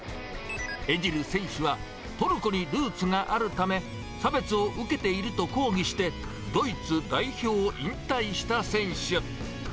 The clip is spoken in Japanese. エジル選手は、トルコにルーツがあるため、差別を受けていると抗議して、ドイツ代表を引退した選手。